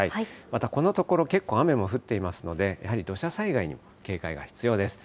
またこのところ、結構雨も降っていますので、やはり土砂災害に警戒が必要です。